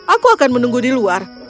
aku akan menunggu di luar